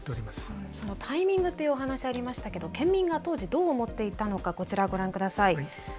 そのタイミングっていうお話ありましたけど県民が当時どう思っていたのかこちらご覧下さい。